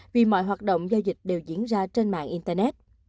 vì mọi hoạt động giao dịch đều diễn ra trên mạng internet